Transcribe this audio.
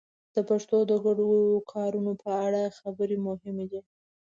د پښتو د ګډو کارونو په اړه خبرې مهمې دي.